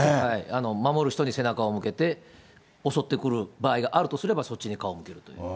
守る人に背中を向けて、襲ってくる場合があるとすれば、そっちに顔向けるという。